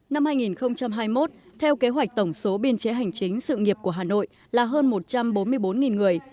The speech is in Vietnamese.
năm hai nghìn hai mươi một theo kế hoạch tổng số biên chế hành chính sự nghiệp của hà nội là hơn một trăm bốn mươi bốn người